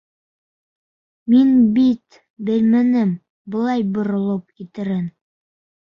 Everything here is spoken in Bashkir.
Мин бит белмәнем былай боролоп китерен!